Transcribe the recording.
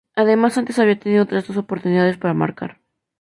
Además, antes había tenido otras dos oportunidades para marcar.